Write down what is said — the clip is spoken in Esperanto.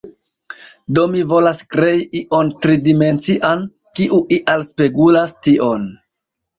Do mi volas krei ion tridimencian, kiu ial spegulas tion.